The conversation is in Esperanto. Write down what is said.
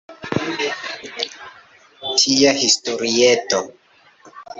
Tia historieto.